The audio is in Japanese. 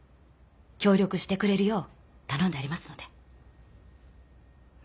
協力してくれるよう頼んでありますので。